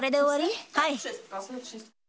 はい。